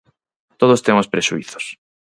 Todos temos prexuízos.